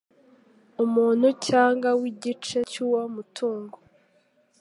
umuntu cyangwa w igice cy uwo mutungo